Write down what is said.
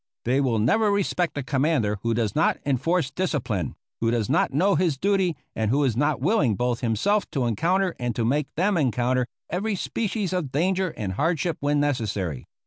They will never respect a commander who does not enforce discipline, who does not know his duty, and who is not willing both himself to encounter and to make them encounter every species of danger and hardship when necessary.